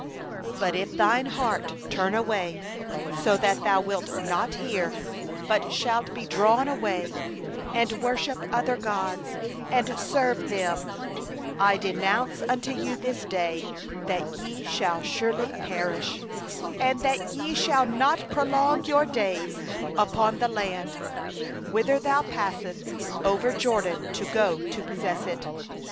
17But if thy heart turn away, and thou wilt not hear, but shalt be drawn away, and worship other gods, and serve them; 18I declare unto you this day, that ye shall surely perish; ye shall not prolong your days upon the land, whither thou passest over the Jordan to go in to possess it.